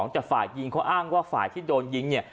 แต่ฝ่ายยิงเขาอ้างว่าฝ่ายที่โดนยิงเนี่ย